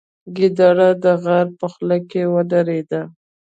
ګیدړه د غار په خوله کې ودرېده.